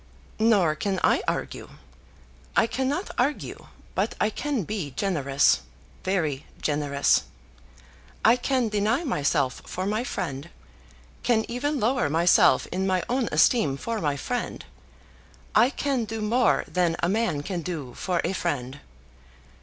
"Nor can I argue. I cannot argue, but I can be generous, very generous. I can deny myself for my friend, can even lower myself in my own esteem for my friend. I can do more than a man can do for a friend.